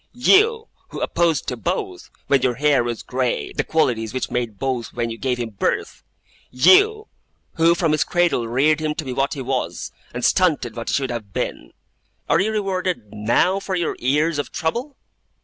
You, who opposed to both, when your hair was grey, the qualities which made both when you gave him birth! YOU, who from his cradle reared him to be what he was, and stunted what he should have been! Are you rewarded, now, for your years of trouble?